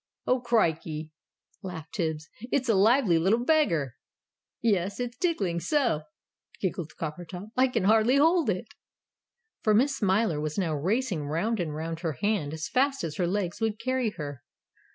"Oh, crikey!" laughed Tibbs. "It's a lively little beggar!" "Yes. It's tiggling so!" giggled Coppertop. "I can hardly hold it!" For Miss Smiler was now racing round and round her hand as fast as her legs would carry her.